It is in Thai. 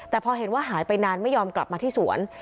แต่พอเห็นว่าหายไปนานไม่ยอมกลับมาที่สวน